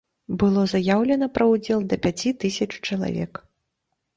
Было заяўлена пра ўдзел да пяці тысяч чалавек.